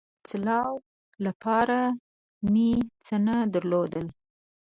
د خرڅلاو دپاره مې څه نه درلودل